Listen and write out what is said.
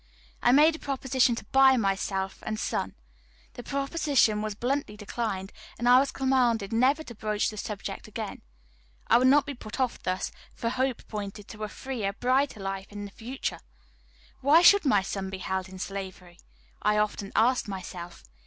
I made a proposition to buy myself and son; the proposition was bluntly declined, and I was commanded never to broach the subject again. I would not be put off thus, for hope pointed to a freer, brighter life in the future. Why should my son be held in slavery? I often asked myself.